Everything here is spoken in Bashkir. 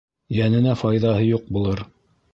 Йәненә файҙаһы юҡ булыр.